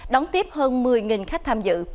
đón tiếp hơn một mươi khách tham dự